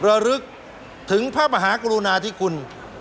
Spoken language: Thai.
ระลึกถึงภาพหากรุณาที่คุณ